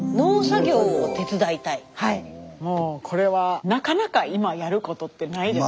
もうこれはなかなか今やることってないです。